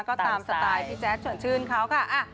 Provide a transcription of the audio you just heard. ก็ตามสไตล์พี่แจ๊ดชวนชื่นเขาค่ะ